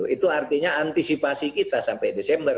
itu artinya antisipasi kita sampai desember